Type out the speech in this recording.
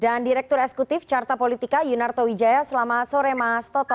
dan direktur eskutif carta politika yunarto wijaya selamat sore mas toto